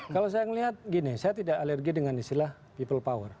kalau saya melihat gini saya tidak alergi dengan istilah people power